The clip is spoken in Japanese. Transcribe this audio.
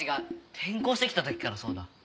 転校してきた時からそうだ。